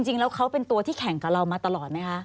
จริงแล้วเขาเป็นตัวที่แข่งกับเรามาตลอดไหมคะ